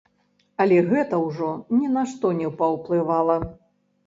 Але гэта ўжо ні на што не паўплывала.